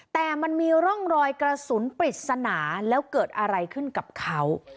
แต่มันมีร่องรอยกระสุนปริศนาแล้วเกิดอะไรขึ้นกับเขา